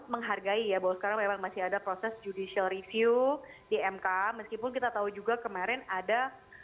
menghargai ya bos karang masih ada proses judis getu di mka meskipun kita tahu juga kemarin ada